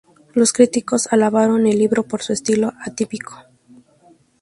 Los críticos alabaron el libro por su estilo atípico.